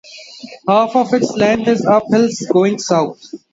Half of its length is uphill going south.